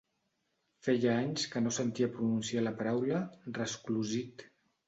Feia anys que no sentia pronunciar la paraula resclosit.